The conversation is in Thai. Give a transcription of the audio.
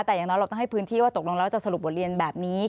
แต่อย่างน้อยเราต้องให้พื้นที่ว่าตกลงแล้วจะสรุปบทเรียนแบบนี้